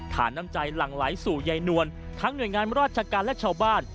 น้ำใจหลั่งไหลสู่ใยนวลทั้งหน่วยงานราชการและชาวบ้าน